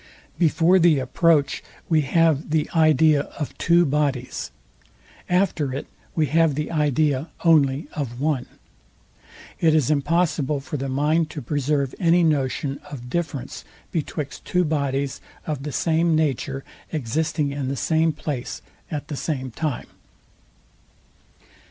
Before the approach we have the idea of two bodies. After it we have the idea only of one. It is impossible for the mind to preserve any notion of difference betwixt two bodies of the same nature existing in the same place at the same time.